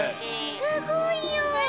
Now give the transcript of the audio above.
すごいよ！